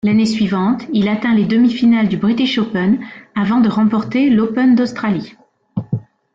L'année suivante, il atteint les demi-finales du British Open avant de remporter l'Open d'Australie.